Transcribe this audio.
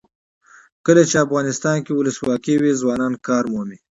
کله چې افغانستان کې ولسواکي وي ځوانان کار مومي.